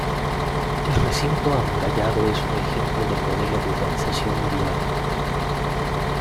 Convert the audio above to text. El recinto amurallado es un ejemplo del modelo de urbanización medieval.